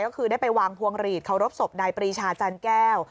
ก็คือได้ไปวางพวงหลีดเคารพศพนายปรีชาจันแก้ว